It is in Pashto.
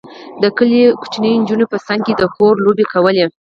د کلي وړو نجونو به څنګ کې د کورکو لوبې کولې.